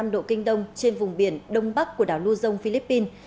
một trăm hai mươi ba năm độ kinh đông trên vùng biển đông bắc của đảo lưu dông philippines